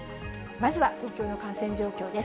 まずは東京の感染状況です。